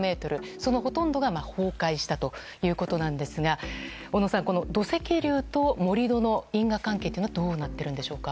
そのほとんどが崩壊したということなんですが小野さん、土石流と盛り土の因果関係はどうなっているんでしょうか？